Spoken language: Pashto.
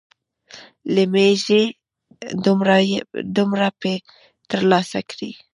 له مېږې دومره پۍ تر لاسه کړې.